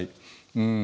うん。